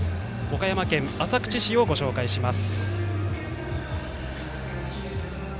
岡山県浅口市をご紹介します。